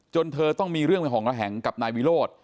เธอต้องมีเรื่องห่องระแหงกับนายวิโรธ